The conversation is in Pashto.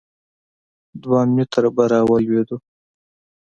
دوه متره به راولوېدو.